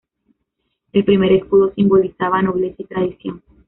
El primer escudo simbolizaba nobleza y tradición.